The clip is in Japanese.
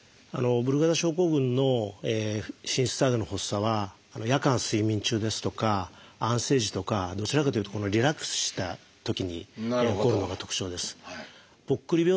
ブルガダ症候群の心室細動の発作は夜間睡眠中ですとか安静時とかどちらかというとリラックスしたときに起こるのが特徴です。